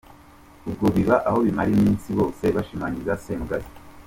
Ubwo biba aho bimara iminsi bose bashimagiza Semugaza.